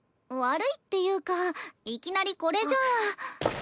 悪いっていうかいきなりこれじゃあ。